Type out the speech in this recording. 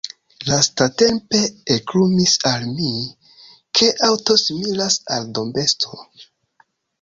Lastatempe eklumis al mi, ke aŭto similas al dombesto.